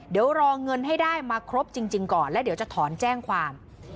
เดี๋ยวรอเงินให้ได้มาครบจริงก่อนและเดี๋ยวจะถอนแจ้งความ